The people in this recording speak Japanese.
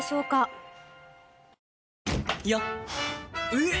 えっ！